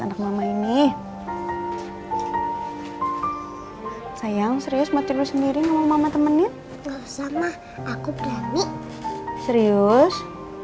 anak mama ini sayang serius mati bersendiri ngomong sama temenin sama aku berani serius